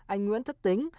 anh nguyễn thất tính